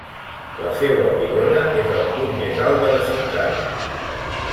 La seua pilona és el punt més alt de la ciutat.